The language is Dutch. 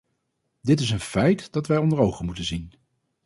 Dit is een feit dat wij onder ogen moeten zien.